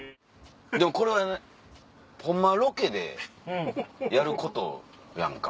でもこれはホンマはロケでやることやんか。